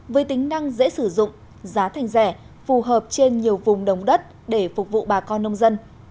với tính năng dễ sử dụng giá thành rẻ phù hợp trên nhiều vùng đồng đất để phục vụ bà con nông dân